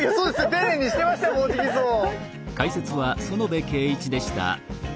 丁寧にしてましたもんオジギソウ。